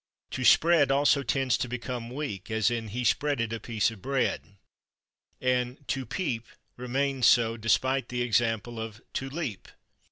/To spread/ also tends to become weak, as in "he /spreaded/ a piece of bread." And /to peep/ remains so, despite the example of /to leap